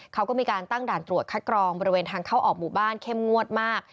เขาก็มีการตั้งด่านตรวจคัดกรองบริเวณทางเข้าออกหมู่บ้านเข้มงวดมาก